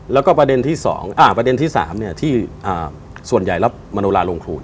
แล้วก็ประเด็นที่๒ประเด็นที่๓ที่ส่วนใหญ่รับมโนราโรงครู